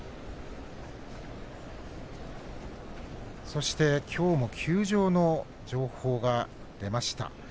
そしてきょうの休場の情報が出ました。